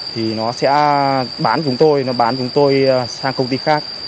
thì nó sẽ bán chúng tôi nó bán chúng tôi sang công ty khác